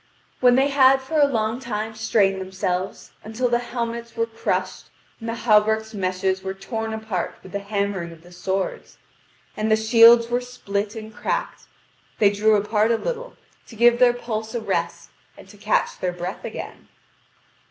(Vv. 6149 6228.) When they had for a long time strained themselves, until the helmets were crushed, and the hauberks' meshes were torn apart with the hammering of the swords, and the shields were split and cracked, they drew apart a little to give their pulse a rest and to catch their breath again.